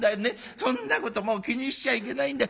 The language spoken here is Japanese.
そんなこともう気にしちゃいけないんだよ。